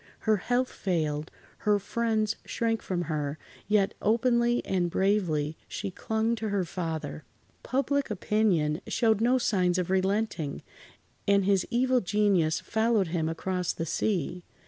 Her health failed, her friends shrank from her, yet openly and bravely she clung to her father. Public opinion showed no signs of relenting, and his evil genius followed him across the sea.